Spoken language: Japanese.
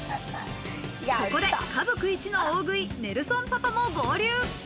ここで家族イチの大食い、ネルソンパパも合流。